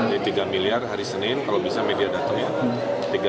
jadi tiga miliar hari senin kalau bisa media datang